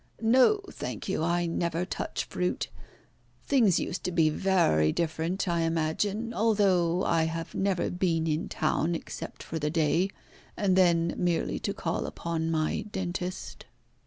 "No, thank you, I never touch fruit. Things used to be very different, I imagine, although I have never been in town except for the day, and then merely to call upon my dentist."